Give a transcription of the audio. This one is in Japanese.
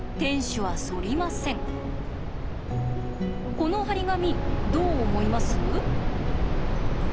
この貼り紙どう思います？